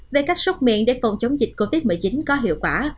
về cách xúc miệng để phòng chống dịch covid một mươi chín có hiệu quả